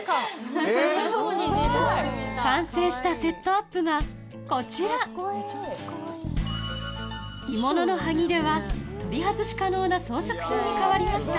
完成したセットアップがこちら着物の端切れは取り外し可能な装飾品に変わりました